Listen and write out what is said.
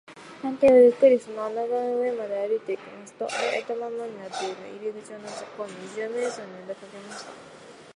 探偵はゆっくりその穴ぐらの上まで歩いていきますと、あいたままになっている入り口をのぞきこんで、二十面相によびかけました。